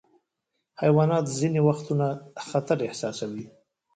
حیوانات ځینې وختونه خطر احساسوي.